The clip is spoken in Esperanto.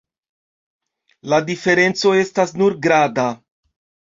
La diferenco estas nur grada.